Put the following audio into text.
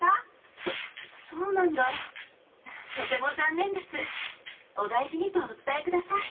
そそうなんだとても残念ですお大事にとお伝えください。